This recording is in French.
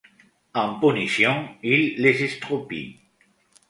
En punition, il les estropie.